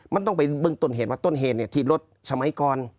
มันต้องไปเบื้องต้นเหตุว่าต้นเหตุที่รถสมัยก่อน